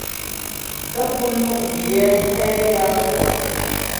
Tə́ pú ŋú' biyɛ nkɛ yaə́pfʉə́'ə.